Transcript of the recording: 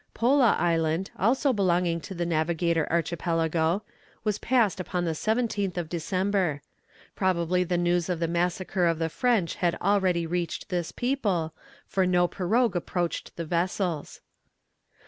Pola Island, also belonging to the Navigator Archipelago, was passed upon the 17th of December. Probably the news of the massacre of the French had already reached this people, for no pirogue approached the vessels.